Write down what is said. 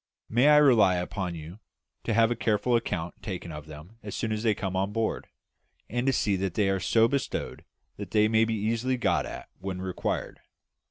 May I rely upon you to have a careful account taken of them as they come on board, and to see that they are so bestowed that they may be easily got at when required?